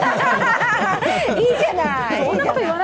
いいじゃない！